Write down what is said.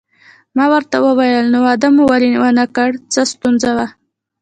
ما ورته وویل: نو واده مو ولې ونه کړ، څه ستونزه وه؟